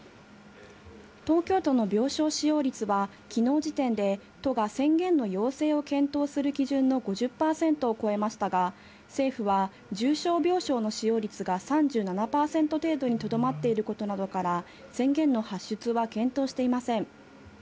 東京都の病床使用率は、きのう時点で都が宣言の要請を検討する基準の５０％を超えましたが、政府は重症病床の使用率が３７％程度にとどまっていることなどから、宣言の発出は検討していません。